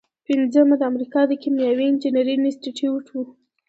پنځمه د امریکا د کیمیاوي انجینری انسټیټیوټ و.